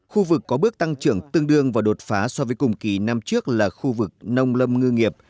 khu vực có bước tăng trưởng tương đương và đột phá so với cùng kỳ năm trước là khu vực nông lâm ngư nghiệp